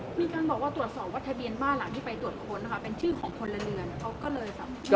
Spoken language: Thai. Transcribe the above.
มีการบอกว่าตรวจสอบว่าทะเบียนบ้านหลังที่ไปตรวจค้นนะคะเป็นชื่อของคนละเรือนเขาก็เลยแบบ